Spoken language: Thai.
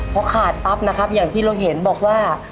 พอขาดปั๊บนะครับอย่างที่เราเห็นบอกว่า